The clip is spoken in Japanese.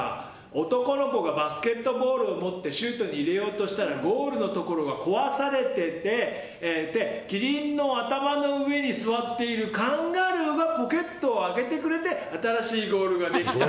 男の子がバスケットボールを持ってシュート入れようとしたらゴールのところは壊されていてキリンの頭の上に座っているカンガルーがポケットを開けてくれて新しいゴールができた。